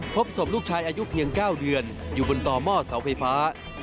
พบศพลูกชายอายุเพียง๙เดือนอยู่บนต่อหม้อเสาไฟฟ้า